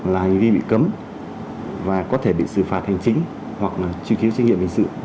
là hành vi bị cấm và có thể bị xử phạt hành chính hoặc là truy cứu trách nhiệm hình sự